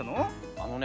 あのね